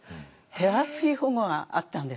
手厚い保護があったんですよ。